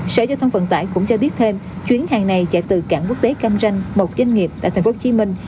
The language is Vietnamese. sở giao thông vận tải cũng cho biết thêm chuyến hàng này chạy từ cảng quốc tế cam ranh một doanh nghiệp tại thành phố hồ chí minh